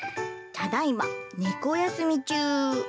ただいま猫休み中。